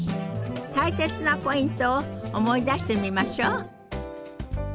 大切なポイントを思い出してみましょう。